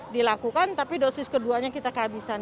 dilakukan tapi dosis keduanya kita kehabisan